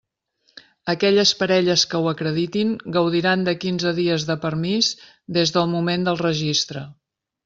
Aquelles parelles que ho acreditin gaudiran de quinze dies de permís des del moment del registre.